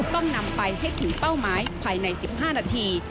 ต้องนำไปให้ถึงเป้าหมายภายใน๑๕นาที